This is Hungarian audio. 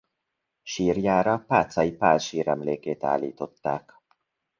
Sírjára Pátzay Pál síremlékét állították.